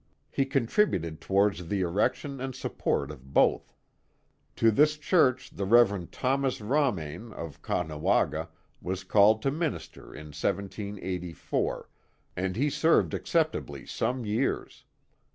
He contribuied towards the erection and support of both. To this church the Rev. Thomas Romeyn. of Caughnawaga. was calle<l to minister in 1784, and be served acce|)t.ibly some vears.